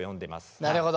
なるほど。